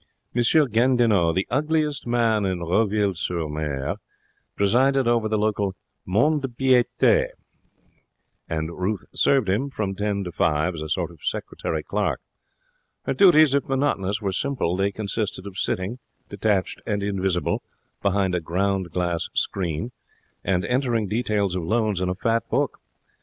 M. Gandinot, the ugliest man in Roville sur Mer, presided over the local mont de piete, and Ruth served him, from ten to five, as a sort of secretary clerk. Her duties, if monotonous, were simple. They consisted of sitting, detached and invisible, behind a ground glass screen, and entering details of loans in a fat book.